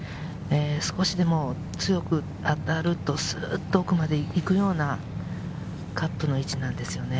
少しでも強く当たるとスッと奥まで行くようなカップの位置なんですよね。